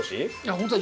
本当に。